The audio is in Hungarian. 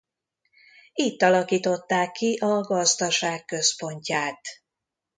Itt alakították ki a gazdaság központját.